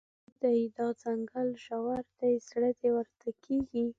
تور دی، دا ځنګل ژور دی، زړه دې ورته کیږي